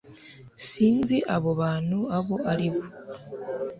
sinzi abo bantu abo ari bo